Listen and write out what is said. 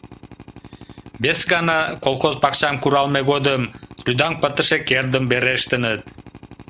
Вес гана, колхоз пакчам куралме годым, рӱдаҥ пытыше кердым верештыныт.